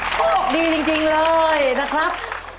โชคดีจริงเลยนะครับ